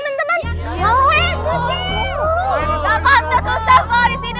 dan lo udah kembali ke tempat yang sama